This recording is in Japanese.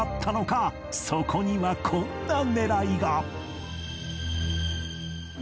そこにはこんな狙いが